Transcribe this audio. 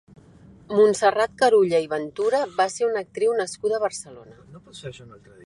Montserrat Carulla i Ventura va ser una actriu nascuda a Barcelona.